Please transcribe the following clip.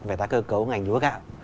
về tái cơ cấu ngành lúa gạo